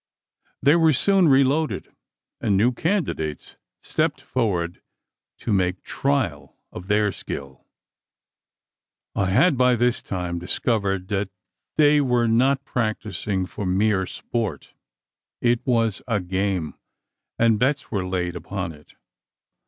They were soon reloaded; and new candidates stepped forward to make trial of their skill. I had by this time discovered that they were not practising for mere sport. It was a game, and bets were laid, upon it.